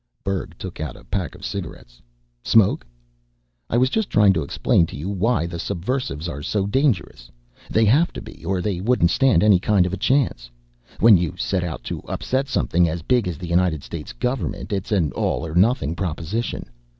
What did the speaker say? Berg took out a pack of cigarettes. "Smoke? I was just trying to explain to you why the subversives are so dangerous. They have to be, or they wouldn't stand any kind of chance. When you set out to upset something as big as the United States government, it's an all or nothing proposition.